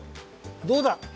どうだ？